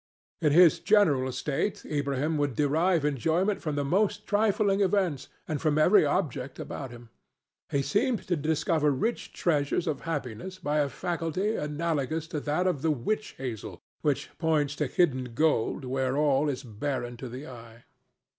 In his general state Ilbrahim would derive enjoyment from the most trifling events and from every object about him; he seemed to discover rich treasures of happiness by a faculty analogous to that of the witch hazel, which points to hidden gold where all is barren to the eye.